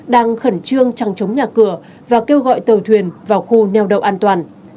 đang khẩn trương trăng chống nhà cửa và kêu gọi tàu thuyền vào khu neo đậu an toàn